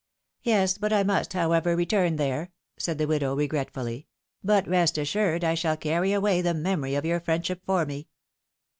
^^Yes! But I must, however, return there,'^ said the widow, regretfully ; but rest assured I shall carry away the memory of your friendship for me.